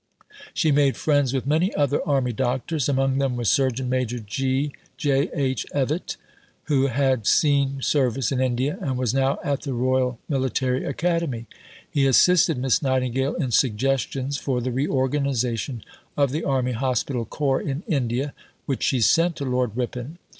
" She made friends with many other army doctors. Among them was Surgeon Major G. J. H. Evatt, who had seen service in India, and was now at the Royal Military Academy. He assisted Miss Nightingale in suggestions for the reorganization of the Army Hospital Corps in India, which she sent to Lord Ripon.